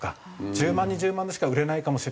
１０万２０万でしか売れないかもしれない。